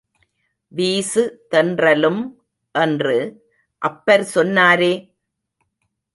வீசு தென்றலும் என்று அப்பர் சொன்னாரே!